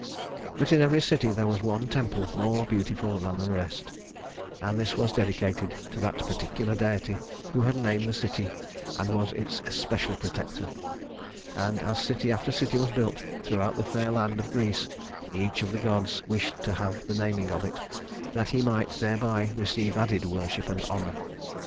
But in every city there was one temple more beautiful than the rest, and this was dedicated to that particular deity who had named the city and was its especial protector; and as city after city was built throughout the fair land of Greece, each of the gods wished to have the naming of it that he might thereby receive added worship and honor.